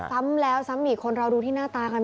ซ้ำแล้วซ้ำอีกคนเราดูที่หน้าตากัน